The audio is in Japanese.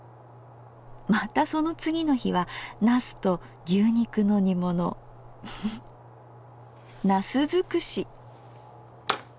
またその次の日は「茄子と牛肉の煮物」。茄子尽くし！